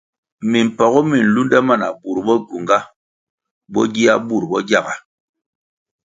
Mimpagu mi lunde ma na burʼ bo gyunga bo gia burʼ bo gyaga.